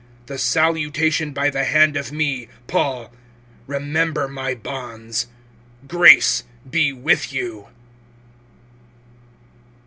(18)The salutation by the hand of me, Paul. Remember my bonds. Grace be with you.